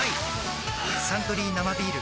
「サントリー生ビール」